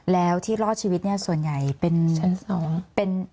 แล้วที่รอดชีวิตเนี่ยส่วนใหญ่เป็น